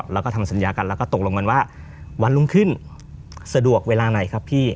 แล้วก็ทำสัญญากันแล้วก็ตกลงกันว่าวันรุ่งขึ้นสะดวกเวลาไหนครับพี่